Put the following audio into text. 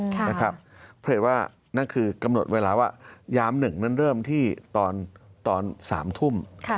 เพราะฉะนั้นคือกำหนดเวลาว่ายาม๑เริ่มที่ตอน๓ทุ่ม